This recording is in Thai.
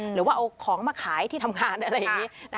หรือว่าเอาของมาขายที่ทำงานอะไรอย่างนี้